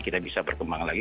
kita bisa berkembang lagi